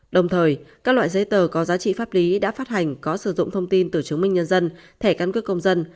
đồng thời các loại giấy tờ có giá trị pháp lý đã phát hành có sử dụng thông tin từ chứng minh nhân dân thẻ căn cước công dân